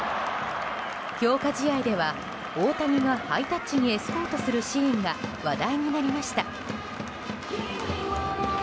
強化試合では、大谷がハイタッチにエスコートするシーンが話題になりました。